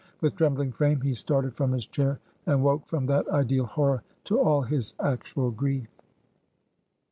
With trembling frame he started from his chair, and woke from that ideal horror to all his actual grief.